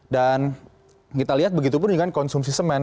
dan kita lihat begitu pun dengan konsumsi semen